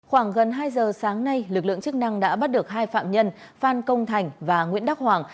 khoảng gần hai giờ sáng nay lực lượng chức năng đã bắt được hai phạm nhân phan công thành và nguyễn đắc hoàng